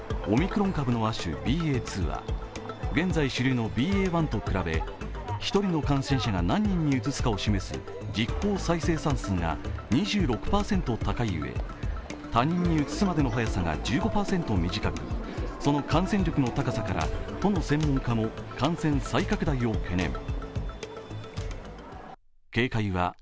オミクロン株の亜種、ＢＡ．２は現在、主流のＢＡ．１と比べ、１人の感染者が何人にうつすか示す実効再生産数が２６％高いゆえ他人にうつすまでの早さが１５％短くその感染力の高さから都の専門家も感染再拡大を懸念。